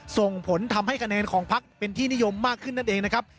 ส่งผลทำให้คะแนนของพักเป็นที่นิยมมากขึ้นนั่นเองนะครับ